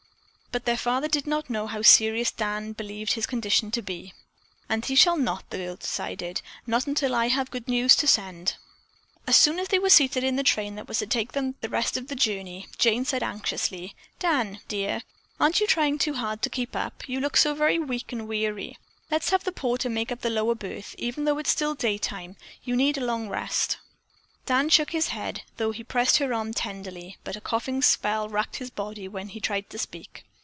But their father did not know how serious Dan believed his condition to be. "And he shall not," the girl decided, "not until I have good news to send." As soon as they were seated in the train that was to take them the rest of the journey, Jane said anxiously: "Dan, dear, aren't you trying too hard to keep up? You look so very weak and weary. Let's have the porter make up the lower berth, even though it is still daytime. You need a long rest." Dan shook his head, though he pressed her arm tenderly, but a coughing spell racked his body when he tried to speak.